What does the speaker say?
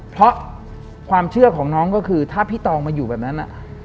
เพราะความเชื่อของน้องก็คือถ้าพี่ตองมาอยู่แบบนั้น